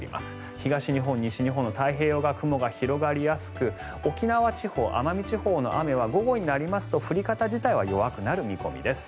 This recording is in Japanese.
東日本、西日本の太平洋側雲が広がりやすく沖縄地方、奄美地方の雨は午後になりますと降り方自体は弱くなる見込みです。